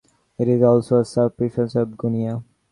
It is also a sub-prefecture of Guinea.